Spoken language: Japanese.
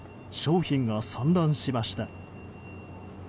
商品が散乱しました。